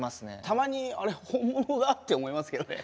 たまに「あれ本物だ」って思いますけどね。